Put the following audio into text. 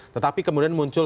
tetapi kemudian muncul